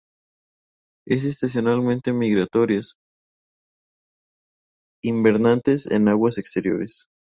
Es estacionalmente migratorias, invernantes en aguas exteriores.